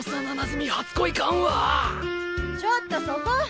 ちょっとそこ！